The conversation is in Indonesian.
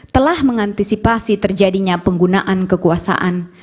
telah mengantisipasi terjadinya penggunaan kekuasaan